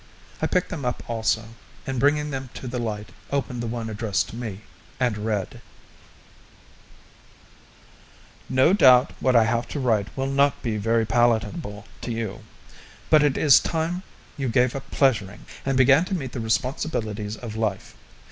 I picked them up also, and, bringing them to the light, opened the one addressed to me, and read: No doubt what I have to write will not be very palatable to you; but it is time you gave up pleasuring and began to meet the responsibilities of life.